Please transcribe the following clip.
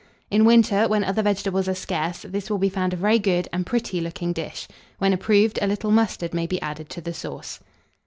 In winter, when other vegetables are scarce, this will be found a very good and pretty looking dish: when approved, a little mustard may be added to the sauce.